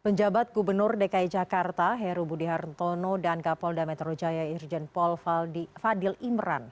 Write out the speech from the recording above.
penjabat gubernur dki jakarta heru budi hartono dan kapolda metro jaya irjen paul fadil imran